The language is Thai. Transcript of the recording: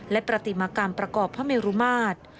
และปฏิมากรรมประกอบพระเมรุมาตร